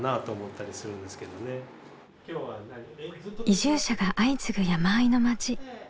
移住者が相次ぐ山あいの町。